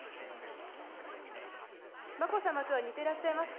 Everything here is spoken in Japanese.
眞子さまとは似てらっしゃいますか。